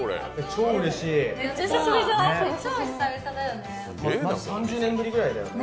超久々だよね。